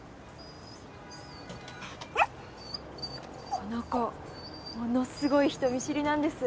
・この子ものすごい人見知りなんです。